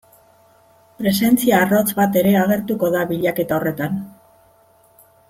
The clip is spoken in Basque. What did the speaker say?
Presentzia arrotz bat ere agertuko da bilaketa horretan.